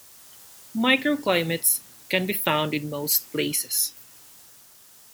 Microclimates can be found in most places.